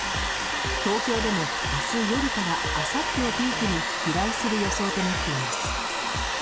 東京でも明日夜からあさってをピークに飛来する予想となっています。